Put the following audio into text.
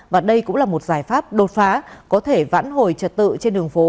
và đây cũng là một giải pháp đột phá có thể vãn hồi trật tự trên đường phố